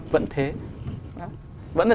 vẫn thế vẫn là